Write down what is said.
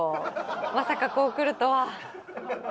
まさかこうくるとは。